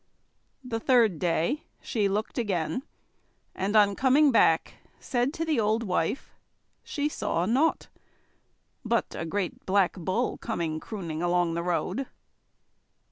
The third day she looked again, and on coming back said to the old wife she saw nought but a great Black Bull coming crooning along the road.